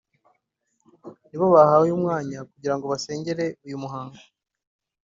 nibo bahawe umwanya kugira ngo basengere uyu muhango